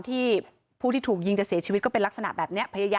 แล้วเรารู้จักกันมานานหรือเปล่า